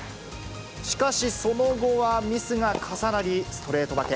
しかし、その後はミスが重なり、ストレート負け。